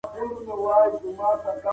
خپل مواد په منطقي او سم ډول منظم کړه.